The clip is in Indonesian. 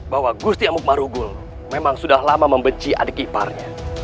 bahwa gusti amuk marugul memang sudah lama membenci adik iparnya